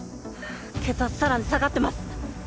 血圧さらに下がってます